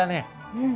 うん。